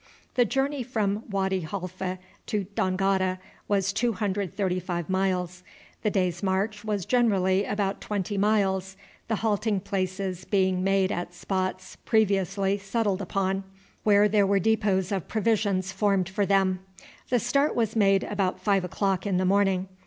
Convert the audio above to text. The journey from Wady Halfa to Dongola was 235 miles. The day's march was generally about twenty miles, the halting places being made at spots previously settled upon, where there were depots of provisions formed for them. The start was made about five o'clock in the morning.